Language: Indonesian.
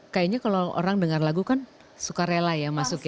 kayaknya kalau orang dengar lagu kan suka rela ya masuk ya